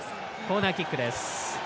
コーナーキックです。